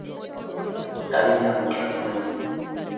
গাড়ির চালক তা শোনেননি।